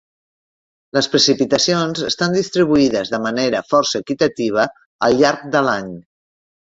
Les precipitacions estan distribuïdes de manera força equitativa al llarg de l'any.